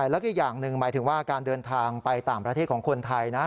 แล้วก็อย่างหนึ่งหมายถึงว่าการเดินทางไปต่างประเทศของคนไทยนะ